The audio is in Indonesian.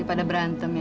gua pada berantem ye